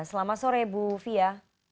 selamat sore bu fia